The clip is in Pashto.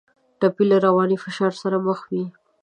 ټپي له رواني فشار سره مخ وي.